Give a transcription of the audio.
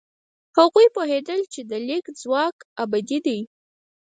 هغوی پوهېدل چې د لیک ځواک ابدي دی.